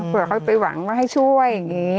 เผื่อเขาไปหวังให้ช่วย